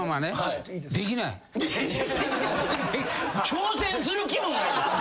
挑戦する気もないですか？